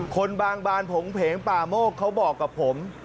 บางบานผงเพงป่าโมกเขาบอกกับผม